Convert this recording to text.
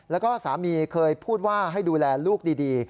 แล้วก็สามีเคยพูดว่าให้ดูแลลูกดี